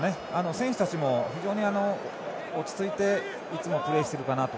選手たちも非常に落ち着いていつもプレーしているかなと。